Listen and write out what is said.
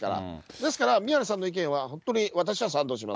ですから宮根さんの意見は、本当に私は賛同します